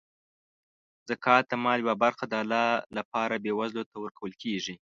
زکات د مال یوه برخه د الله لپاره بېوزلو ته ورکول کیږي.